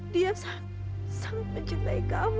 dia sangat mencintai kamu